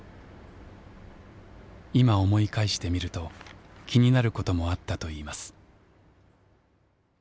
今思い返してみると気になることもあったといいます。